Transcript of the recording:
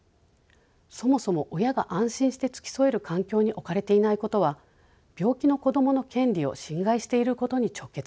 そもそも親が安心して付き添える環境に置かれていないことは病気の子どもの権利を侵害していることに直結します。